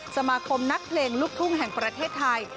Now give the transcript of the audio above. สมาคมนักเพลงลูกทุ่งแห่งประเทศไทย